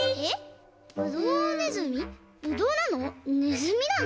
ぶどうなの？